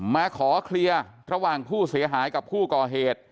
มาขอเคลียร์ระหว่างผู้เสียหายกับผู้ก่อเหตุ